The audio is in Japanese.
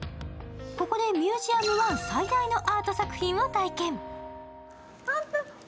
ここでＭｕｓｅｕｍ１最大のアート作品を体験。